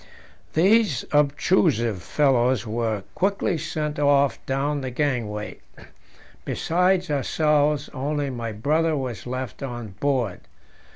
These obtrusive fellows were quickly sent off down the gangway: besides ourselves only my brother was left on board.